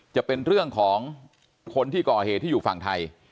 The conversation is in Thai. จะเป็นเรื่องของคนที่ก่อเหตุที่อยู่ฝั่งไทย